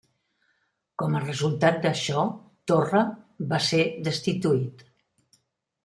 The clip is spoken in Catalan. Com a resultat d'això, Torre va ser destituït.